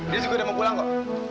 dia juga udah mau pulang kok